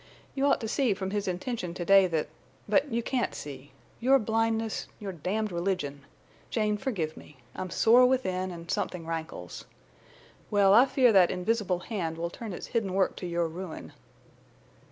You ought to see from his intention to day that—But you can't see. Your blindness—your damned religion!... Jane, forgive me—I'm sore within and something rankles. Well, I fear that invisible hand will turn its hidden work to your ruin."